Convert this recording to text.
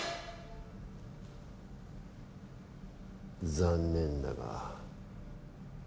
残念だが。